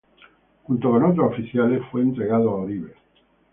Junto con otros oficiales fue entregado a Oribe.